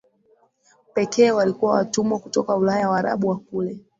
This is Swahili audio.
pekee walikuwa watumwa kutoka Ulaya Waarabu wa kule